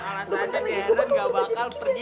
gawat gawat bentar lagi gue bakal berubah